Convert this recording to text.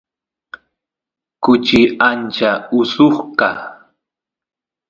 kuchi ancha ususqa